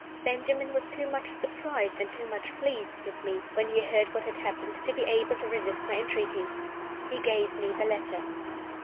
Benjamin was too much surprised, and too much pleased with me, when he heard what had happened, to be able to resist my entreaties. He gave me the letter.